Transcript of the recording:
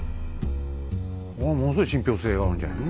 ものすごい信憑性があるんじゃないの？